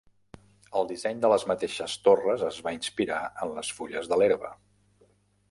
El disseny de les mateixes torres es va inspirar en les fulles de l'herba.